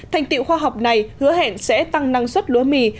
thành tiệu khoa học này hứa hẹn sẽ tăng năng suất lúa mì